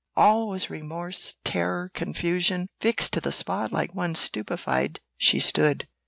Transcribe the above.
All was remorse, terror, confusion fixed to the spot like one stupified, she stood.